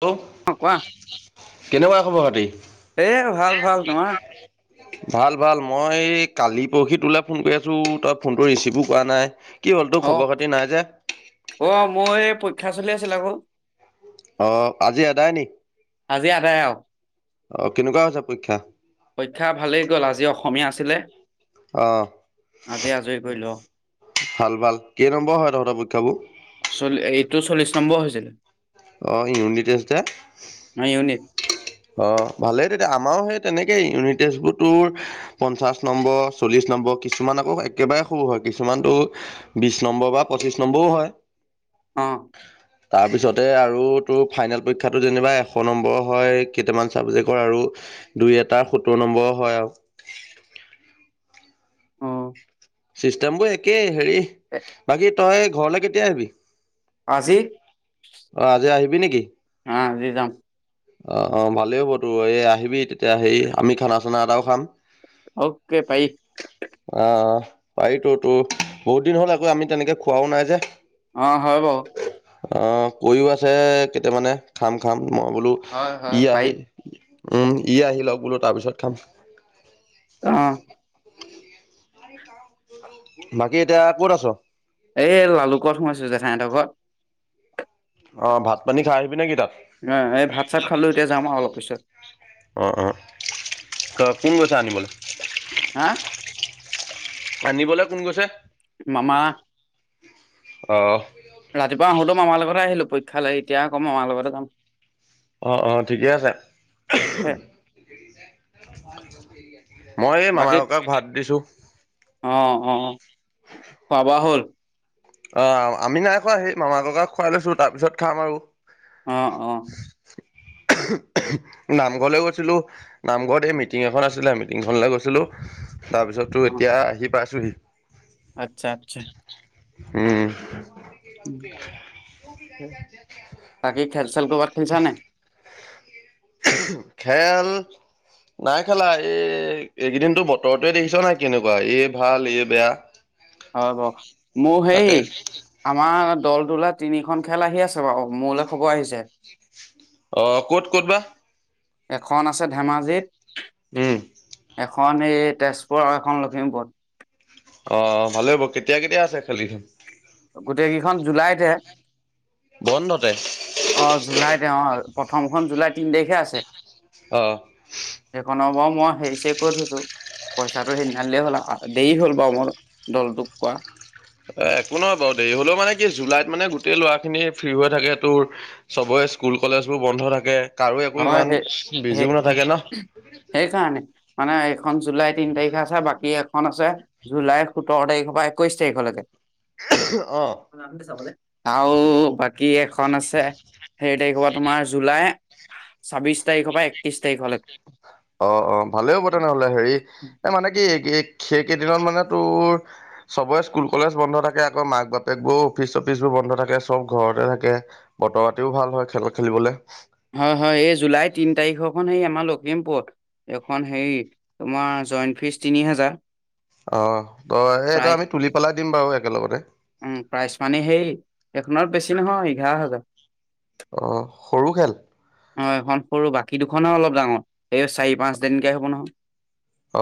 Hello, অ কোৱা কেনেকুৱা খবৰ-খাতি? এ ভাল ভাল তোমাৰ ভাল ভাল, মই কাল, পৰশি তোলে ফোন কৰি আছো, তই ফোনটো ৰিচিভো কৰা নাই। কি হ'ল তোৰ খবৰ খাতি নাই যে অহ অহ মোৰ এই পৰীক্ষা চলি আছিল আক। অ আজি এদায় নি? আজি আদায় অ। অ কেনেকুৱা হৈছে পৰীক্ষা? পৰীক্ষা ভালেই গল আজি অসমীয়া আছিলে, অ' আজি আজৰি কৰিলো আও। ভাল ভাল। কেই নম্বৰৰ হয় তহঁতৰ পৰীক্ষাবোৰ? চল এইটো চল্লিশ নম্বৰ হৈছে। অ ইউনিটেষ্ট হে? আমাৰ ইউনিট অ ভালেই তেতিয়া আমাৰো সেই তেনেকেই ইউনিটেষ্টবোৰ তোৰ পঞ্চাশ নম্বৰ চল্লিশ নম্বৰ কিছুমান আকৌ একেবাৰে সৰু হয়, কিছুমান তোৰ বিশ নম্বৰ বা পঁচিশ নম্বৰও হয়। অ। তাৰ পিছতে আৰু তোৰ ফাইনেল পৰীক্ষাটো যেনিবা এশ নম্বৰৰ হয়। কেইটামান চাবজেক্টৰ আৰু দুই এটাাৰ সত্তৰ নম্বৰ হয় আৰু হয় অ চিষ্টেম বোৰ একেই হেৰি বাকী তই ঘৰলৈ কেতিয়া আহিবি আজি অ আজি আহিবি নেকি একাম অ অ ভালেই হ'ব তো এই আহিবি তেতিয়া হেৰি আমি খানা চানা এটাও খাম অকে পাই পাৰিিতো তো বহুত দিন হ'ল আকৌ আমি তেনেকে খুৱও নাই যে অ হয় বৌ কৰিও আছে কেইটামানে খাম খাম মই বোলো হয় হয় ই ভাই আহি উম ই আহি লওক বোলো তাৰপিছত খাম আহ বাকী এতিয়া ক'ত আছ এই লালুকত সোমাইছো জঠাইহঁতৰ ঘত অ ভাত পানী খাই আহিবি নেকি তাত অ এই ভাত চাত খালো এতিয়া যাম আৰু অলপ পিছত অঁ অ ত কোন গৈছ আনিবলৈ হা আনিবলৈ কোন গৈছে মামা আহ ৰাতিপুৱা আহোতেো মামাৰ লগতে আহিলো পৰীক্ষা লৈ এতিয়া আকৌ মামাৰ লগতে যাম আহ আহ ঠিকেই আছে মই এই মামা বাকী ককাক ভাত দিছো অ অ খাবা হ'ল অ আমি নাই খোৱা আহি মামা ককাক খুৱাই লৈছো তাৰপিছত খাম আৰু অ অ নামঘৰলৈ গৈছিলো নামঘৰত এই মিটিং এখন আছিলে আমি িংখনলৈ গৈছিলোঁ তাৰপিছতো অ এতিয়া আহি পাইছোঁহি আচ্ছা আচ্ছা উ তাকি খেল চেল কবাৰ খেলছা নে খেল নাই খালা এই এইকেইদিনতো বতৰটোৱে দেখিছ নাই কেনেকুৱা এই ভাল এই বেয়া হয় ব মোৰ তাকে সেই আমাৰ দল তোলা তিনিখন খেল আহি আছে বাৰু মোলৈ খবৰ আহিছে অ ক'ত ক'ত বা এখন আছে ধেমাজিত উম, এখন এই তেজপুৰ আৰু এখন লখিমপুৰ অ ভালে হ'ব কেতিয়া কেতিয়া আছে খালিখনোন গোটেই কেইখন জুলাইতে বন্ধতে অ জুলাইতে অ প্ৰথমখন জুলাই তিনি তাৰিখে আছে অঁ সেইখনৰ বাৰু মই হেৰিছে কৈ থৈছো পইচাটো সেইনািলেই হ'ল দেৰি হ'ল বাৰু মোৰ দলটোক কোৱা অ একো নহয় বাৰু দেৰি হলেও মানে কি জুলাইত মানে গোটেই লৰা খিনি ফ্ৰী হৈ থাকে তোৰ চবেই স্কুল কলেজ বোৰ বন্ধ থাকে কাৰো একো হয় ইমান সেই বিজিও সেই নাথাকে ন সেইকাৰণে মানে এইখন জুলাই তিনি তাৰিখে আছে বাকী এখন আছে জুলাই সোতৰ তাৰিখৰ পৰা একৈশ তাৰিখলৈকে অ চাব আৰু বাকী এখন আছে সেই তাৰিখৰ পৰা, তোমাৰ জুলাই ছাব্বিছ তাৰিখৰ পৰা একত্ৰিছ অ', অ', ভালেই হ'ব তেনেহ'লে। হেৰি, এ', মানে কি, কি সেই কেইদিনত মানে তোৰ, চবৰে স্কুল কলেজ বন্ধ থাকে। আকৌ মাক বাপেক বোৰ অফিচ চফিচ বোৰ বন বন্ধ থাকে চব ঘৰতে থাকে বতৰতিও ভাল হয় খেল খেলিবলৈ এখন হেৰি আমাৰ লখিমপুৰত। এখন হেৰি, তোমাৰ জইণ্ট ফিজ তিনি হাজাৰ। অ', তই সেই তই প্ৰাইজ আমি তুলি পেলাই দিম বাৰু একেলগতে। উম, প্ৰাইচ মানে সেই, এখনত বেছি নহয় এঘাৰ হাজাৰ। অ', সৰু খেল। অ', এইখন সৰু, বাকী দুখনহে অলপ ডাঙৰ। এই চাৰি পাঁচ দিনকে হ'ব নহয়।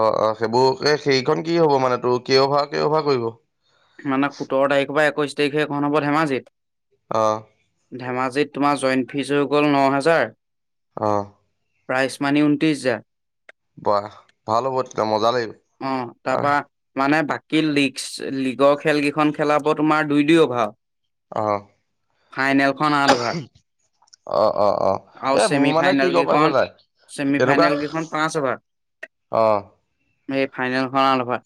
অ', অ', সেইবোৰ সেই সেইখন কি হব মানে, তোৰ কেই অভাৰ কেই অভাৰ কৰিব? মানে সোতৰ তাৰিখৰ পৰা একৈশ তাৰিখে এখন হ'ব ধেমাজিত। অ'। ধেমাজিত তোমাৰ জইণ্ট ফিজ হৈ গ'ল ন হেজাৰ। অ'। প্ৰাইজ মানি ঊনত্ৰিছ হাজাৰ। বাহ! ভাল হ'ব তেতিয়া। মজা লাগিব। অ', তাৰ আহ পৰা মানে বাক কি লীগচ, লীগৰ খেল কেইখন খেলাব তোমাৰ দুই দুই অভাৰ। অ', ফাইনেলখন আঠ অভাৰ। অ', অ', অ', এ', মোৰ মানে কি গম পাইছ নাই। চেমি এনেকুৱা ফাইনেল কেইখন পাঁচ অভাৰ। অ'। এই ফাইনেলখন লভাৰ।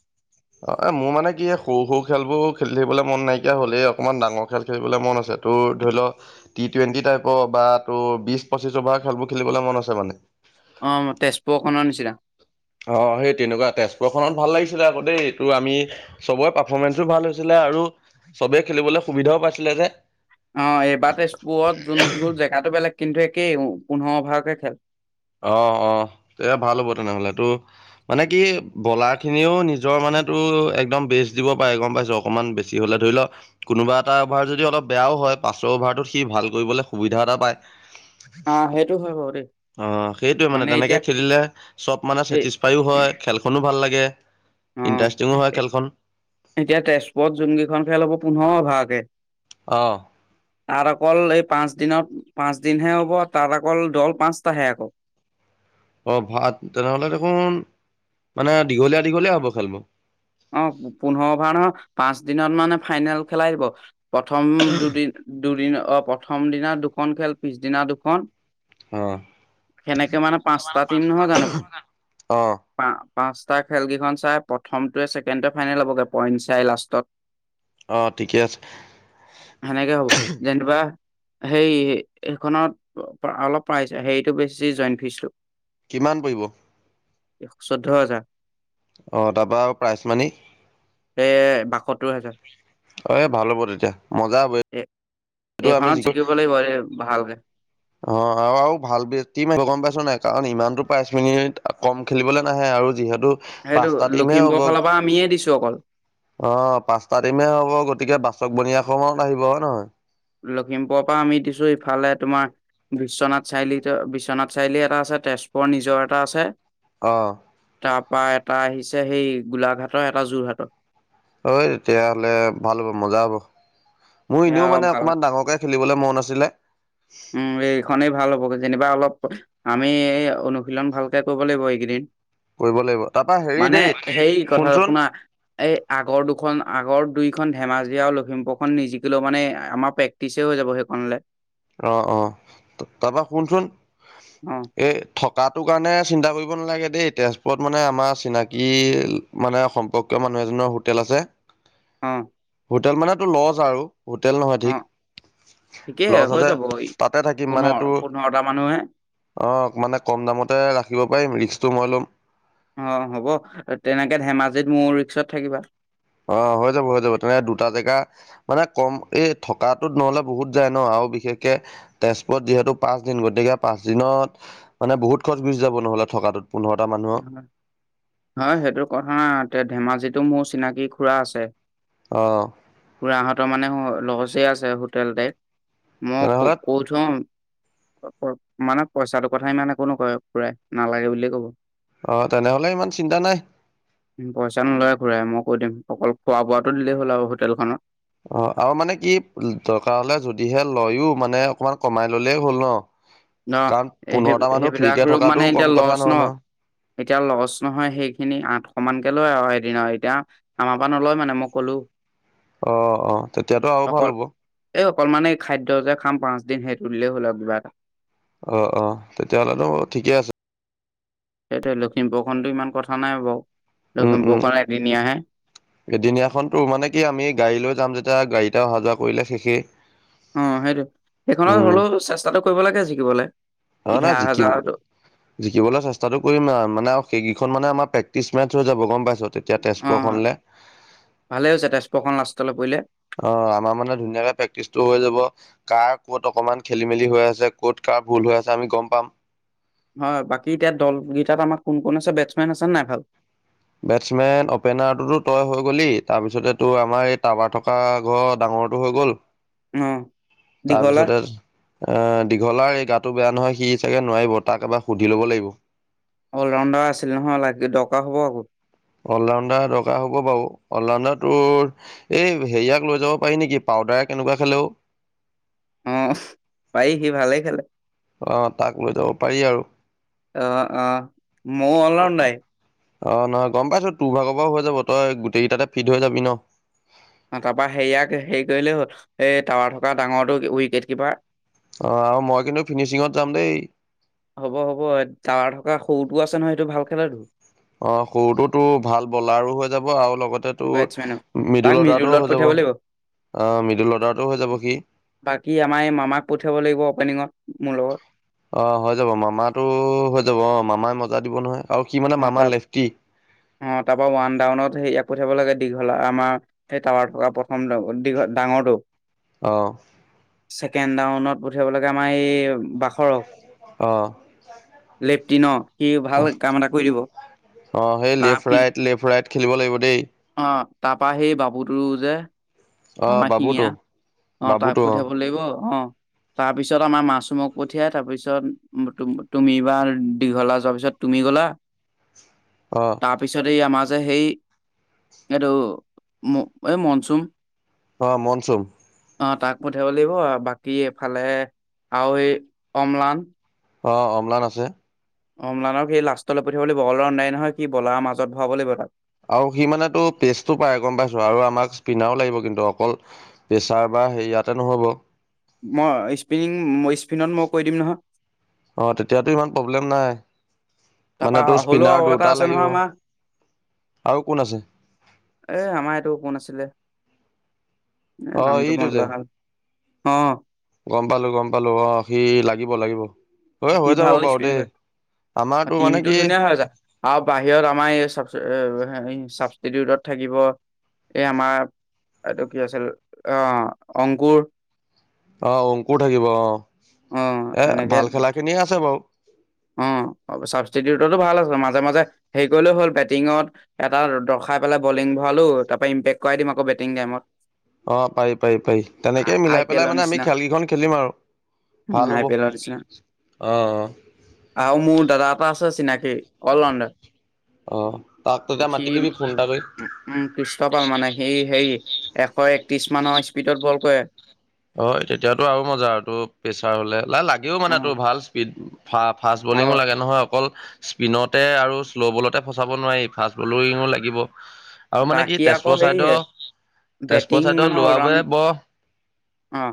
অ', এ', মোৰ মানে কি, এই সৰু সৰু খেলবোৰ খেলি থাকিবলৈ মন নাইকিয়া হ'লেই। অকনমান ডাঙৰ খেল খেলিবলে মন আছে। তোৰ ধৰি ল', টি টুৱেন্টি টাইপৰ বা তোৰ বিশ পঁচিশ অভাৰ খেলবোৰ খেলিবলে মন আছে মানে। অ' তেজপুৰ খনৰ নিচিনা। অ', সেই তেনেকুৱাতে। তেজপুৰখনত ভাল লাগিছিলে আকৌ দেই। তোৰ আমি চবৰে পাৰ্ফমেন্ঞ্চো ভাল হৈছিলে। আৰু চবেই খেলিবলৈ সুবিধাও পাইছিলে যে। অ', এইবাৰ তেজপুৰত জোনবোৰ জেগাতটো বেলেগ। কিন্তু একেই, পোন্ধৰ অভাৰকে খেল। অ', অ', এয়া ভাল হ'ব তেনেহলে। তোৰ মানে কি, বলাৰখিনিও নিজৰ মানে তোৰ একদম বেচ দিব পাৰে গম পাইছ, অকনমান বেছি হ'লে। ধৰিল, কোনোবা এটা অভাৰ যদি অলপ বেয়াও হয়, পাছৰ অভাৰটোত সি ভাল কৰিবলৈ সুবিধা এটা পায়। অ', সেইটো হয় বাৰু দেই। অ', সেইটোৱে মানে, তেনেকে খেলিলে, চব মানে এই চেটিছফাইও হয়, খেলখনো ভাল লাগে। অ', ইণ্টাৰেষ্টিঙো হয় খেলখন এ-এতিয়া তেজপুৰত জোনকেইখন খেল হ'ব পোন্ধৰ অভাৰকে। অ'। তাত অকল এই পাঁচ দিনত, পাঁচ দিনহে হ'ব। তাত অকল দল পাঁচটাহে আকৌ। [inaudible] অ', ভাত, তেনেহ'লে দেখোন মানে দীঘলীয়া, দীঘলীয়া হ'ব খেলবোৰ। অ', পোন্ধৰ অভাৰ নহয়, পাঁচ দিনত মানে ফাইনেল খেলাই দিব। প্ৰথম দুদিন, দুদিন অ', প্ৰথম দিনা দুখন খেল, পিছদিনা দুখন অ সেনেকে মানে পাঁচটা টিম নহয় জানো? অ পা পাঁচটা খেলকেইখন চাই, প্ৰথমটোৱে ছেকেণ্ডৰ ফাইনেল হ'বগে পইণ্ট চাই লাষ্টত। অ ঠিকে আছে সেনেকে হ'ব। যেনিবা হেই, সেইখনত অ-পা- অলপ পাইছে, হেৰিতটো বেছি জইণ্ট ফিজটো। কিমান পৰিব? চৈধ্য হাজাৰ। অ', তাপা আৰু প্ৰাইচ মানি? এ', বাসত্তৰ হাজাৰ। এ', ভাল হ'ব তেতিয়া। মজা হ'বই। এ এইখনত জিকিব লাগিব ভালকে অ আৰু আৰু ভাল তীম আহিব গম পাইছনে নাই কাৰণ ইমানতটো পাইশ মিনিট কম খেলিবলৈ নাহে আৰু যিহেতু সেইটো পাঁচটা টিমহে হ'ব লখিমপুৰৰ ফালৰ পৰা আমিয়ে দিছো অকল অ পাচটা টিমে হ'ব গতিকে বাচক বনিয়া সমত আহিব হয় নহয় লখিমপুৰৰ পৰা আমি দিছো ইফালে তোমাৰ বিশ্বনাথ চাৰিআলিত বিশ্বনাথ চাৰিআলি এটা আছে তেজপুৰ নিজৰ এটা আছে অ তাৰ পৰা এটা আহিছে সেই গোলাঘাটৰ এটা যোৰহাটৰ অঐ তেতিয়াহলে ভাল হ'ব মজা হব মোৰ এয়া এনেও অলপ মানে ভাল অকমান ডাঙৰকে খেলিবলৈ মন আছিলে উ এইখনেই ভাল হব যেনিবা অলপ আমি অনুশীলন ভালকে কৰিব লাগিব এইকেইদিন কৰিব লাগিব তাৰপৰা হেৰি মানে দেই সেই কথা শুনচোন শুনা এই আগৰ দুখন আগৰ দুই এখন ধেমাজি আৰু লখিমপুৰ খন নিজিকিলেও মানে আমাৰ প্ৰেকটিচ হৈ যাব সেইসনলৈ অ অ তাৰপা শুনচোন অ এই থকাটো কাৰণে চিন্তা কৰিব থাকিব নালাগে দেই তেজপুৰত মানে আমাৰচিনাকি মানে সম্পৰ্কীয় মানুহ এজনৰ হোটেল আছে উ হোটেল মানে তু লজ আৰু হোটেল নহয় ঠিক ঠিকেই হৈ ততে যাব তাতে থাকিম মানে পোন্ধৰ তোৰ পোন্ধৰটা মানুহে অ মানে কম দামতে ৰাখিব পাৰিম ৰিক্সটো মই ল'ম অ হ'ব তেনেকে ধেমাজিত মোৰ ৰিক্সত থাকিবা অ হৈ যাব হৈ যাব তেনে দুটা জেগা মানে কম এই থকাটোত নহলে বহুত যায় ন আৰু বিশেষকে তেজপুৰত যিহেতু পাচ দিন গতিকে পাচ দিনত মানে বহুত খৰচ গুচি যাব নহয় থকাটো হয় সেইটো কথা নাই এ ধেমাজিতো মোৰ চিনাকি খুৰা আছে অ খুৰাহতৰ মানে লজআছে হোটেল টাইত মই তেনেহ'লে কৈথম মানে পইচাটোৰ কথা ইমান একো নকয় খুৰাই নালাগে বুলিয়ে কব অ তেনেহ'লে ইমান চিন্তা নাই উ পইচা নলয় খুৰাই মই কৈ দিম অকল খোৱা বোৱাটো দিলেই হ'ল আৰু হোটেলখনত অ আৰু মানে কি দৰকাৰ হলে যদিহে লয়ো মানে অকমান কমাই ললেই হ'ল ন ন কাৰণ সেই পোন্ধৰটা মানুহ ফ্ৰীকে সেইবিলাক ৰপ মানে থকাটোও কম এতিয়া কথা লচ ন নহয় নহয় এতিয়া লছ নহয় সেইখিনি আঠশ মান কে লয় আৰু দিনা এতিয়া আমাৰ পৰা নলয় মানে মই কলো অ অ তেতিয়াতো আৰু ভাল হ'ব অকলমানে খাদ্য যে খাম পাচদিন সেইটোুদিলেই হ'ল আ কিবা এটা অ অ তেতিয়াহলেনো ঠিকে আছে সেইটোে লখিমপুৰ খন ইমান কথা নাই বাৰু উ লখিমপুৰখন এদিনীয়াহে উএদিনীয়াখন তো মানে কি আমি গাড়ী লৈ যাম যেতিয়া গাড়ীত তেওঁ অহখ যোৱা কৰিলে শেষেই অ সেইটো সেইখনত হলেও চেষ্টাটো কৰিব লাগে জিকিবলৈ অ নাই জিকিব জিকিবলৈ চেষ্টাতটো কৰিম মানে সেই খন মানে আমাৰ প্ৰেক্টিচ মেচ হৈ যাব গম পাইছ তেতিয়া অ তেজপুৰখনলৈ ভালেই হৈছে তেজপুৰখন লাষ্টলৈ পৰিলে অ আমাৰ মানে ধুনীয়াকে প্ৰেক্টিচটো হৈ যাব কাৰ ক'ত অকমান খেলি মেলি হৈ আছে ক'ত কাৰ ভুল হৈ আছে আমি গম পাম হয় বাকী এতিয়া দলকেইটাত আমাৰ কোন কোন আছে বেটছমেন আছেনে নাই ভাল বেটছমেন অপেনাৰটোতো তই হৈ গ'লি তাৰপিছতে তো আমাৰ এই টাৱাৰ থকা ঘৰ ডাঙৰ মোৰটো হৈ গ'ল অ তাৰ দীঘলা পিছতে এ দীঘলাৰ এই গাত তো বেয়া নহয় সি সিচাগে নোৱাৰিব তাক এবাৰ সুধি ল'ব লাগিব অল ৰাউণ্ডাৰ আছিল নহয় লাগ দৰকাৰ হ'ব আকৌ অলডাৰ দৰ হ'ব বাৰু অলডাৰ তোৰ এই হেৰিয়াক লৈ যাব পাৰি নেকি পাউাৰ প্ৰায় কেনেকুৱা খেলেও অ পাৰ সি ভালেই খেলে আহ তাক লৈ যাব পাৰি আৰু অ অ ময় অলৰাউডাই অ নহয় গম পাইছো তোৰ ভাগৰ পৰাও হৈ যাব তই গোটেইকেইটাতে ফিট হৈ যাবি ন অ তাৰপা হেয়াক হেৰি কৰিলেই হ'ল এই টাৱাৰ থকা ডাঙৰটোো উইকেট কিপাৰ অ আৰু মই কিন্তু ফিনিচিঙত যাম দেই হ'ব হ'ব তাৱা থকা সৰুটোও আছে নহয় সেইটো ভাল খেলাো অ সৰুটোো তো ভাল বলাৰো হৈ যাব আৰু অল লগতে তো বেটছমেনৰ তাক মিডিল অৰ্ডাৰটোও মিডুলত হৈ যাব পঠিয়াব লাগিব আহ মিডুল অৰ্ডাৰটোো হৈ যাব কিি পনিঙত মলত অ হৈ যাব মামাো হৈ যাব অ মামাই মজা দিব নহয় আৰু সি মানে অ মামা ত লেফটি অ তাৰপা ওৱান ডাউনত পঠিয়াব লাগে দীঘলা আমাৰ সেই টাৱাৰ থকা প্ৰথম দীঘল ডাঙৰটো আহ ছেকেণ্ডউনত পঠিয়াব লাগে আমাৰ এই বাখৰস অ', লি ন সি ভাল কাম এটা কৰি দিব অ সেই তাৰ লেফট পিছ ৰাইট লেফট ৰাইট খেলিব লাগিব দেই [unintelligible] অ', আমাৰ শিঙিয়ীয়া বাবুটো অ তাক বাবুটো অ', পঠিয়াব লাগিব অ তাৰ পিছত আমাৰ মাছমখ পঠিয়াই তাৰ পিছত তুমি বাাৰ দীঘলা যোৱাৰ পিছত তুমি গ'লা [unintelligible] অ', তাৰপিছতে আমাৰ যে সেই এইটো এই মনচুম অ মনচুম অ তাক পঠিয়াব লাগিব বাকী এফালে আৰু সেই অমলান অ অমলান আছে অমলানক সেই লাষ্টলৈ পঠিয়াব লাগিব বল ৰধাই নহয় কি বলাৰ মাজত ভৰাব লাগিব তাক আৰু সি মানে তো প্ৰেচটো পায় গম পাইছো আৰু আমাক প্পিাৰ লাগিব কিন্তু অকল প্ৰেচাৰ বা সেই ইয়াতে নহ'ব মই স্পিনং স্পিনত মই কৈ দিম নহয় অ তেতিয়াতো ইমান প্ৰব্লেম নাই তাৰপা মানে তোৰ হ'লেও স্পিনাৰ আৰু এটা দুটা আছে লাগিব নহয় আমাৰ আৰু কোন আছে এ আমাৰ এইটো কোন আছিলে এ অ', নামটোো ইটো যে মনলাল অ গম পালো গম পালো অ সি লাগিব লাগিব স হৈ হৈ যাব ভাল বাৰু এক্প দেই আমাৰতো টিম মানে টো কি ধুনীয়া হৈ আছ আৰু বাহিৰত আমাৰ এই চ চাবিউটত থাকিব এই আমাৰ এইটো কি আছিল অ অংকুৰ অ অংকু থাকিব অ অ এ এনেকে ভাল খেলা খিনিয়ে আছে বাৰ [unintelligible] ছাবিটিউটতো ভাল আছে মাজে মাজে হেৰি কৰিলেও হ'ল বেটিঙত এটা দৰ্শাই পেলাই বলিং ভালো তাৰপ পৰা ইম্পেক্ কৰাই দিম আক বেটিং াইমত অ পাৰি পাৰি পাৰি তেনেকেই আই মিলাই পি পেলাই এলৰ মানে আমি নিচিনা খেল কেইখন খেলিম আৰু উম ভাল আই হ'ব পি এলৰ নিচিনা অ অ আৰু মোৰ দাদা এটা আছে চিনাকি অল ৰাডাৰ অ তাক তেতিয়া মাতি দিবি ফোনটা উম ক্ৰীষ্টপাল মানে সি হেৰি এশ একত্ৰিশ মানৰ স্পীডত বল কৰে হয় তেতিয়াতো আৰু মজা আৰু তোৰ প্ৰেছাৰ হলে লাই লাগেও অ মানে তোৰ ভাল স্পীড ফা ফাষ্ট আৰু বলিঙো লাগে নহয় অকল স্পিনতে আৰু শ্ল' বলতে ফচাব নোৱাৰি ফাষ্ট বলোো লাগিব আৰু মানে কি সি আকৌ তেজপুৰ সেয়ে চাইদৰ বেটিং তেজপত চাইদ মানে লোৱাব অলৰাউণ্ড বৰ অ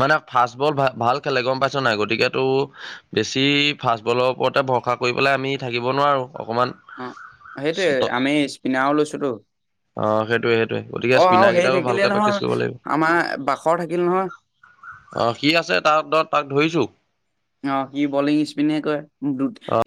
মানে ফাষ্টবল ভ ভাল খেলে গম পাইছ নাই গতিক তটো বেছি ফাষ্টবলৰ ওপৰত তে ভৰসা কৰি পেলাই আমি থাকিব নোৱাৰোঁ অ সেইটোয়ে অকণমান আমি স্পিনাৰ লৈছোতো অ সেইটোৱে সেইটোৱে গতিকে অ স্পিনাৰ আৰু ইৰি কেইটাও ভালকে থাকিলে প্ৰেক্টিচ কৰিব নহয় লাগিব। আমাৰ বাখৰ থাকিল নহয় অ কি আছে তাহ তৰত তাক ধৰিছো অ সি বলিং স্পিনে কয় দু অ